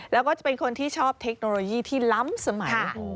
แล้วก็จะเป็นคนที่ชอบเทคโนโลยีที่ล้ำสมัย